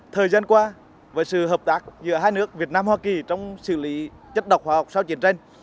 thời gian qua với sự hợp tác giữa hai nước việt nam hoa kỳ trong xử lý chất độc hóa học sau chiến tranh